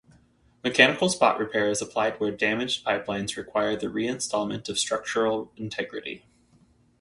Mechanical spot repair is applied where damaged pipelines require the re-instatement of structural integrity.